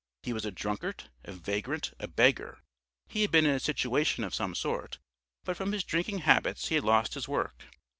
He was a drunkard, a vagrant, a beggar, he had been in a situation of some sort, but from his drinking habits he had lost his work.